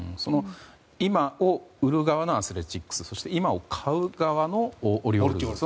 今を売る側のアスレチックスそして今を買う側のオリオールズ。